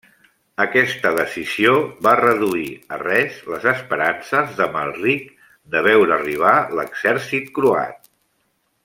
Aquesta decisió va reduir a res les esperances d'Amalric de veure arribar l'exèrcit croat.